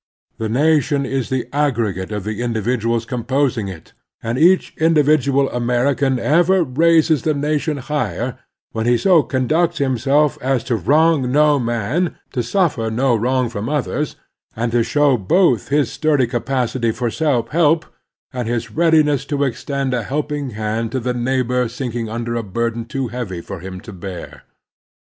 The nation is the aggregate of the individuals composing it, and each individual American ever raises the nation higher when he so conducts himself as to wrong no man, to suffer no wrong from others, and to show both his sturdy capacity for self help and his readiness to extend a helping hand to the neighbor sinking under a burden too heavy for him to bear.